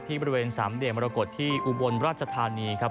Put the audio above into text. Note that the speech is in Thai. บริเวณสามเหลี่ยมรกฏที่อุบลราชธานีครับ